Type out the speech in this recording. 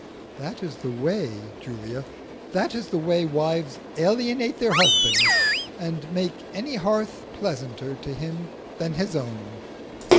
"That is the way, Julia that is the way wives alienate their husbands, and make any hearth pleasanter to him than his own!"